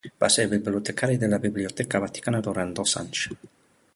Va ser bibliotecari de la Biblioteca Vaticana durant dos anys.